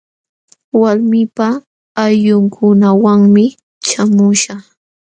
Walmiipaq ayllunkunawanmi śhamuśhaq.